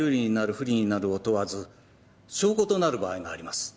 不利になるを問わず証拠となる場合があります。